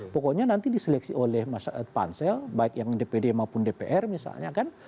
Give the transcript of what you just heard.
pokoknya nanti diseleksi oleh pansel baik yang dpd maupun dpr misalnya kan